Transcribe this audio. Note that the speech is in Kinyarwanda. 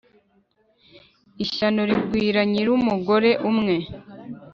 Ishyano rigwira nyirumugore umwe.